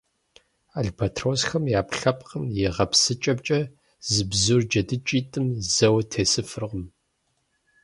Албатросхэм я Ӏэпкълъэпкъым и гъэпсыкӀэмкӀэ, зы бзур джэдыкӀитӀым зэуэ тесыфыркъым.